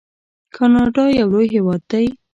کاناډا یو لوی هیواد دی.